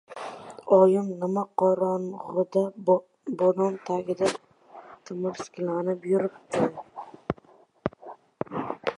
Oyim nimqorong‘ida bodom tagida timirskilanib yuribdi.